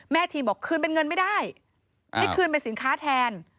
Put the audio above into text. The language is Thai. ทีมบอกคืนเป็นเงินไม่ได้ให้คืนเป็นสินค้าแทน